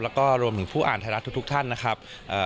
แล้วก็รวมถึงผู้อ่านไทยรัฐทุกทุกท่านนะครับ